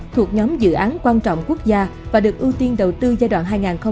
thuộc nhóm dự án quan trọng quốc gia và được ưu tiên đầu tư giai đoạn hai nghìn hai mươi một hai nghìn ba mươi